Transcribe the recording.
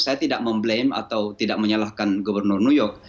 saya tidak memblam atau tidak menyalahkan gubernur new york